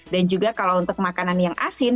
dan juga kalau untuk makanan yang asin